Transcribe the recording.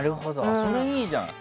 それいいじゃん。